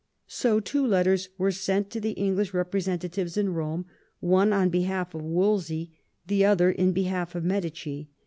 So two letters were sent to the English representatives in Eome, one in behalf of Wolsey, the other in behalf of Medici.